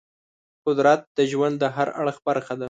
قدرت د ژوند د هر اړخ برخه ده.